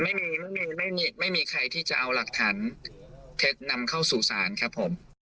ไม่มีไม่มีไม่มีใครที่จะเอาหลักฐานเท็จนำเข้าสู่ศาลครับผม